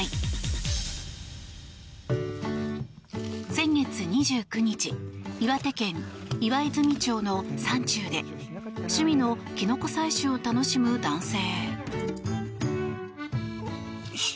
先月２９日岩手県岩泉町の山中で趣味のキノコ採取を楽しむ男性。